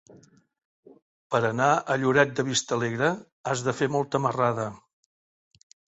Per anar a Lloret de Vistalegre has de fer molta marrada.